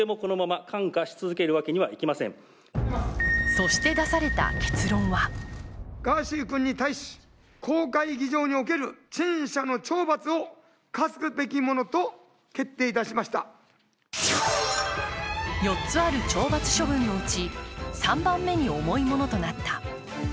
そして出された結論は４つある懲罰処分のうち３番目に重いものとなった。